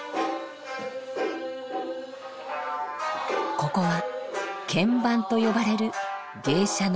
ここは「見番」と呼ばれる芸者の稽古場。